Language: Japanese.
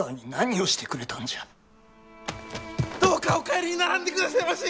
どうかお帰りにならんでくだせまし！